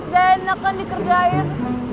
gak enakan dikerjain